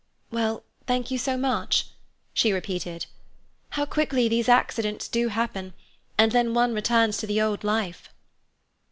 "Well, thank you so much," she repeated, "How quickly these accidents do happen, and then one returns to the old life!"